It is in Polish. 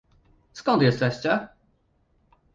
Skąd jesteście?